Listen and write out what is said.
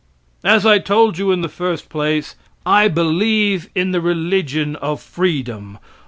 As I told you in the first place, I believe in the religion of freedom.